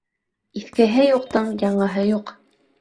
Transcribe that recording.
Иҫкеһе юҡтың яңыһы юҡ.